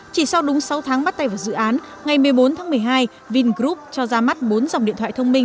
chỉ sau đúng sáu tháng bắt tay vào dự án ngày một mươi bốn tháng một mươi hai vingroup cho ra mắt bốn dòng điện thoại thông minh